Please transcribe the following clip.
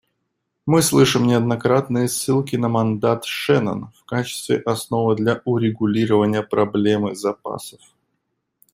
Мы слышим неоднократные ссылки на мандат Шеннон в качестве основы для урегулирования проблемы запасов.